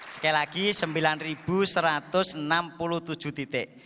sekali lagi sembilan satu ratus enam puluh tujuh titik